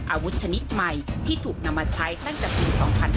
อาวุธชนิดใหม่ที่ถูกนำมาใช้ตั้งแต่ปี๒๕๕๙